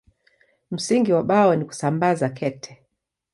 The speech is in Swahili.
Msingi wa Bao ni kusambaza kete.